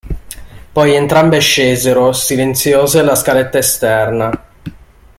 Poi entrambe scesero silenziose la scaletta esterna.